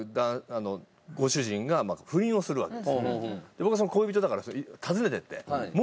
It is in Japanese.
僕はその恋人だから訪ねていって。